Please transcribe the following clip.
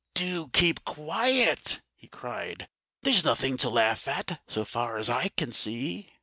"Do keep quiet!" he cried. "There's nothing to laugh at, so far as I can see."